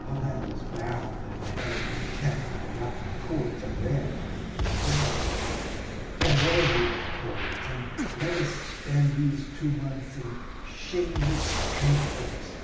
All that was bound and held in check by rotten cords up there on the surface. Away with cords and let us spend these two months in shameless truthfulness!